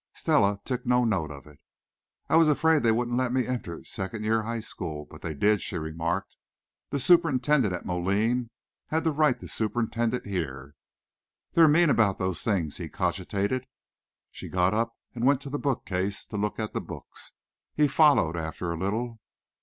Stella took no note of it. "I was afraid they wouldn't let me enter second year high school, but they did," she remarked. "The superintendent at Moline had to write the superintendent here." "They're mean about those things," he cogitated. She got up and went to the bookcase to look at the books. He followed after a little.